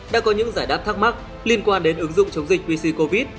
đã có những giải đáp thắc mắc liên quan đến ứng dụng chống dịch vs covid